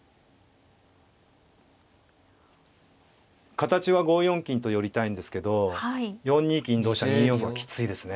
形は５四金と寄りたいんですけど４二金同飛車２四歩はきついですね。